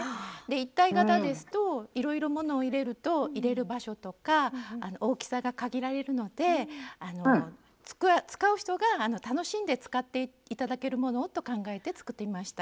一体型ですといろいろものを入れると入れる場所とか大きさが限られるので使う人が楽しんで使って頂けるものをと考えて作ってみました。